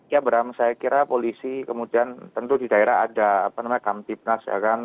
ya bram saya kira polisi kemudian tentu di daerah ada apa namanya kamtipnas ya kan